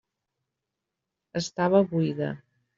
Estava buida.